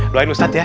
luahin ustad ya